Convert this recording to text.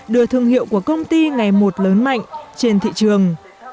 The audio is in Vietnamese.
đưa thương hiệu của công ty ngày một lớn mạnh trên thị trường